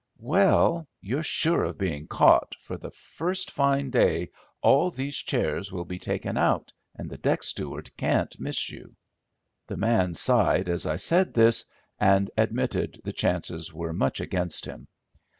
"Well, you're sure of being caught, for the first fine day all these chairs will be taken out and the deck steward can't miss you." The man sighed as I said this and admitted the chances were much against him.